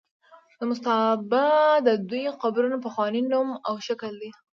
مستابه د دوی د قبرونو پخوانی نوم او شکل دی.